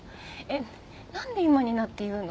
なんで今になって言うの？